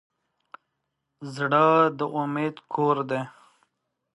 زړه د امید کور دی.